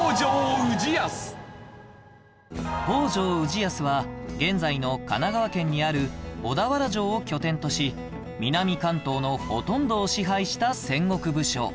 北条氏康は現在の神奈川県にある小田原城を拠点とし南関東のほとんどを支配した戦国武将